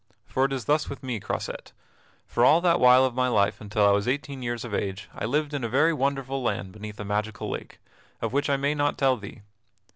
For it is thus with me, Croisette for all that while of my life until I was eighteen years of age I lived in a very wonderful land beneath a magical lake, of which I may not tell thee.